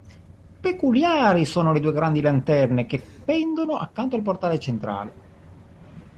Peculiari sono le due grandi lanterne che pendono accanto al portale centrale.